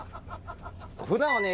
普段はね